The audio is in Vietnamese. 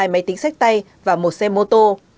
hai máy tính sách tay và một xe mô tô